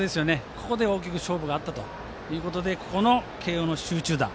ここで大きく勝負があったということでここの慶応の集中打。